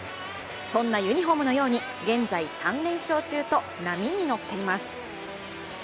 そんなユニフォームのように現在３連勝中と波に乗っています。